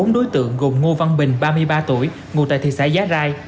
bốn đối tượng gồm ngô văn bình ba mươi ba tuổi ngụ tại thị xã giá rai